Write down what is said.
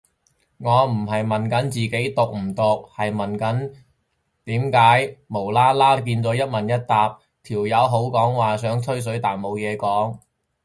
我唔係問緊自己毒唔毒，係問點解無端端變咗一問一答，條友口講話想吹水但冇嘢講